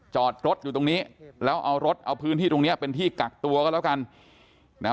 จอดรถอยู่ตรงนี้แล้วเอารถเอาพื้นที่ตรงนี้เป็นที่กักตัวก็แล้วกันนะ